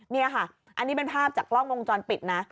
นี่ค่ะอันนี้เป็นภาพจากกล้องวงจรปิดนะ